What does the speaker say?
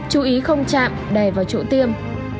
chú ý không chạm đè vào chỗ tiêm